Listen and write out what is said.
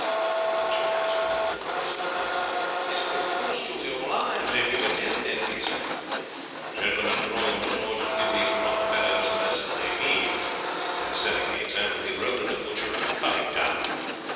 The butcher answered him with a derisive laugh. "It will cost you your lives if you attempt it," he said. "Gentlemen, draw your swords and give these rough fellows the lesson they need;" and, setting the example, he rode at the butcher and cut him down.